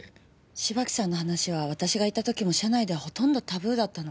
芝木さんの話は私がいた時も社内ではほとんどタブーだったの。